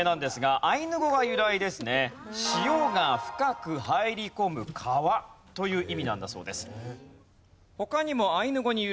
「汐が深く入り込む川」という意味なんだそうです。